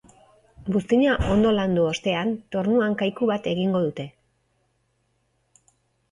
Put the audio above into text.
Buztina ondo landu ostean, tornuan kaiku bat egingo dute.